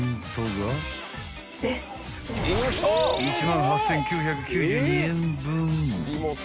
［１万８，９９２円分］